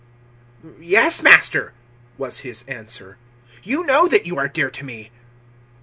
"Yes, Master," was his answer; "you know that you are dear to me."